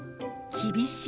「厳しい」。